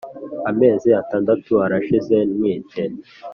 amezi atandatu arashize ntwite